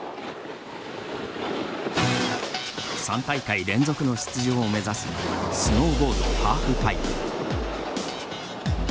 ３大会連続の出場を目指すスノーボード・ハーフパイプ。